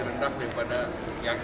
iya beda berbasis kepada emisi